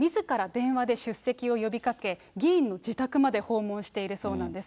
電話で出席を呼びかけ、議員の自宅まで訪問しているそうなんです。